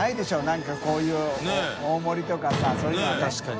燭こういう大盛りとかさそういうのはね。